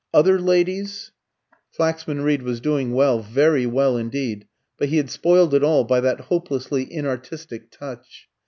Other ladies " Flaxman Reed was doing well, very well indeed, but he had spoiled it all by that hopelessly inartistic touch.